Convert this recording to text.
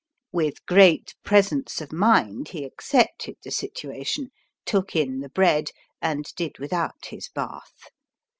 With great presence of mind he accepted the situation, took in the bread, and did without his bath.